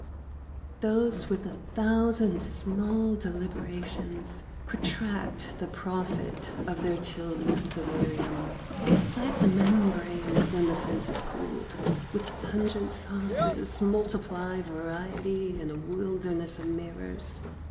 These with a thousand small deliberations Protract the profit of their chilled delirium, Excite the membrane, when the sense has cooled, With pungent sauces, multiply variety In a wilderness of mirrors.